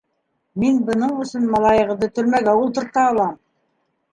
Мин бының өсөн малайығыҙҙы төрмәгә ултырта алам!